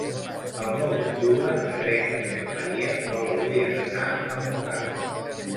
El nou d'octubre na Greta i en Maria voldrien anar a Montcada.